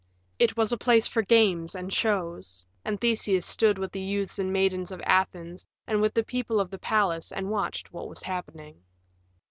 It was a place for games and shows, and Theseus stood with the youths and maidens of Athens and with the people of the palace and watched what was happening.